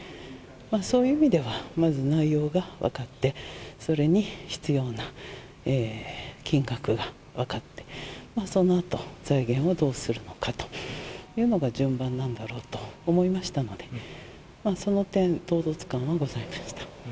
そういう意味では、まず内容が分かって、それに必要な金額が分かって、そのあと財源をどうするのかというのが順番なんだろうと思いましたので、その点、唐突感はございました。